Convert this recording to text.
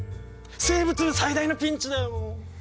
生物部最大のピンチだよ！